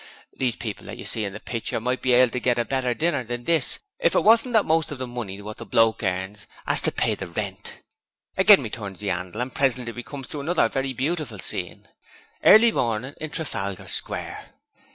These people that you see in the pitcher might be able to get a better dinner than this if it wasn't that most of the money wot the bloke earns 'as to pay the rent. Again we turns the 'andle and presently we comes to another very beautiful scene "Early Morning in Trafalgar Square".